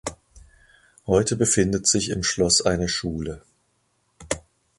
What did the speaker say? Heute befindet sich im Schloss eine Schule.